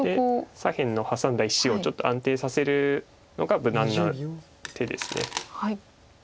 左辺のハサんだ石をちょっと安定させるのが無難な手です。